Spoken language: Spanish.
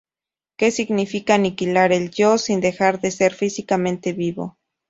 Que significa aniquilar el yo, sin dejar de ser físicamente vivo.